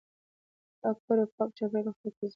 پاک کور او پاک چاپیریال روغتیا تضمینوي.